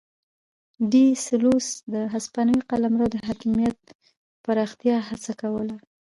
ډي سلوس د هسپانوي قلمرو د حاکمیت پراختیا هڅه کوله.